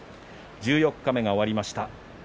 十四日目が終わりました。